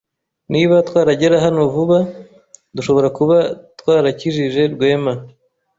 Niba twaragera hano vuba, dushobora kuba twarakijije Rwema.